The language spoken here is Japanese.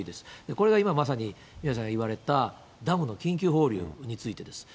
これが今まさに宮根さんが言われた、ダムの緊急放流についてです。